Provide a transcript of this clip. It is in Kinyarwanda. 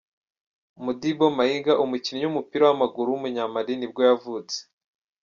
Modibo Maïga, umukinnyi w’umupira w’amaguru w’umunyamali nibwo yavutse.